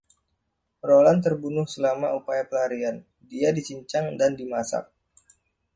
Roland terbunuh selama upaya pelarian; dia dicincang dan dimasak.